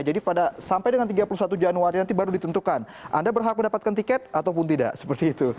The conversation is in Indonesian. jadi sampai dengan tiga puluh satu januari nanti baru ditentukan anda berhak mendapatkan tiket ataupun tidak seperti itu